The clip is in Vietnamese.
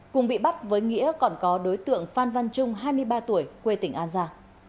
cùng bị bắt với nghĩa còn có đối tượng phan văn trung hai mươi ba tuổi quê tỉnh an giang